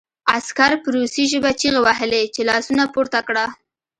عسکر په روسي ژبه چیغې وهلې چې لاسونه پورته کړه